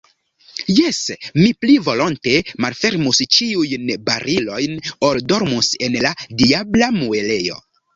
Jes, mi pli volonte malfermus ĉiujn barilojn, ol dormus en la diabla muelejo.